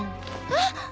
えっ！？